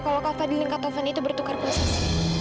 kalau kak fadil yang kata fadil itu bertukar posisi